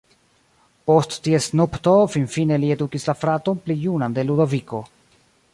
Post ties nupto finfine li edukis la fraton pli junan de Ludoviko.